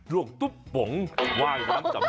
โดงตุ๊บโป๋งว่ายทั้งทั้งตำแจ่ม